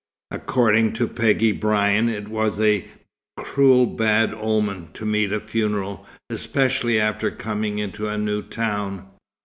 According to Peggy Brian it was "a cruel bad omen" to meet a funeral, especially after coming into a new town.